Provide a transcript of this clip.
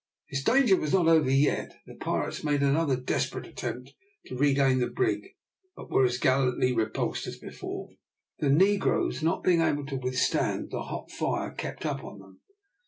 His danger was not yet over. The pirates made another desperate attempt to regain the brig, but were as gallantly repulsed as before, the negroes not being able to withstand the hot fire kept up on them.